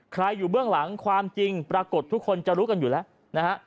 อยู่เบื้องหลังความจริงปรากฏทุกคนจะรู้กันอยู่แล้วนะฮะ